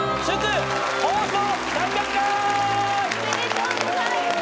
おめでとうございます！